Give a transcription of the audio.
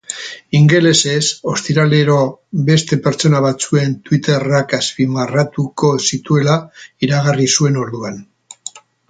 Ingelesez, ostiralero beste pertsona batzuen twitterrak azpimarratuko zituela iragarri zuen orduan.